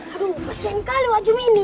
aduh kesian kali wajahmu ini